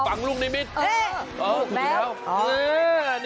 ปิดลูกริมิตฟัง